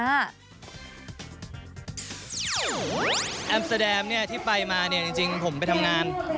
แอมสแดมเนี่ยที่ไปมาเนี่ยจริงผมไปทำงาน